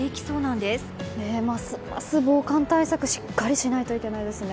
ますます防寒対策しっかりしないとですね。